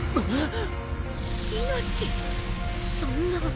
そんな。